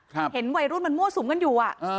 เห็นวัยรุ่นมันมั่วสุมกันอยู่อ่ะอ่า